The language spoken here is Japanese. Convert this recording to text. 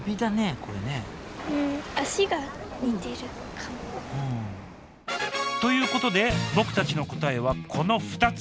これねということで僕たちの答えはこの２つ。